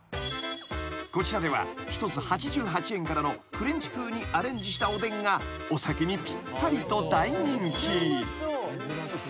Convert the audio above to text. ［こちらでは１つ８８円からのフレンチ風にアレンジしたおでんがお酒にぴったりと大人気］